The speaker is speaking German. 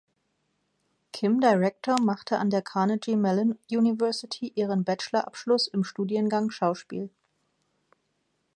Kim Director machte an der "Carnegie Mellon University" ihren Bachelor-Abschluss im Studiengang Schauspiel.